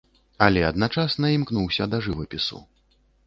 Але адначасна імкнуўся да жывапісу.